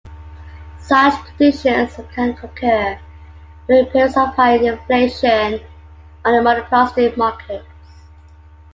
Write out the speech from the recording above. Such conditions can occur during periods of high inflation or in monopolistic markets.